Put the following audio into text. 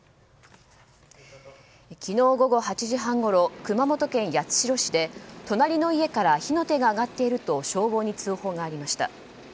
昨日午後８時半ごろ熊本県八代市で隣の家から火の手が上がっていると消防に通報がありました。